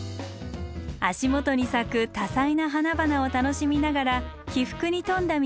足元に咲く多彩な花々を楽しみながら起伏に富んだ道を歩きます。